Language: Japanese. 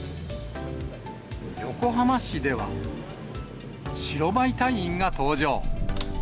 横浜市では、白バイ隊員が登場。